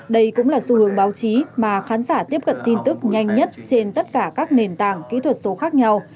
đây cũng là xu hướng báo chí mà khán giả tiếp cận tin tức nhanh nhất trên tất cả các nền tảng kỹ thuật số khác nhau